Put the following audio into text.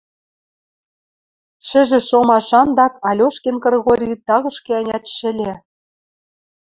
Шӹжӹ шомаш андак Алешкин Кригори тагышкы-ӓнят шӹльӹ.